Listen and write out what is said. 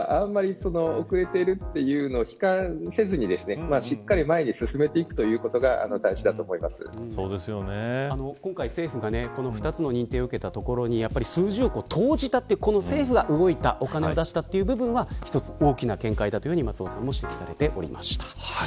ただ遅れているというのを悲観せず、しっかり前に進めていくのが今回、政府が２つの認定を受けたところに数十億を投じたという政府が動いた、お金を出したという部分が一つ大きな見解だと松尾さんも指摘していました。